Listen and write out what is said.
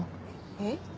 えっ？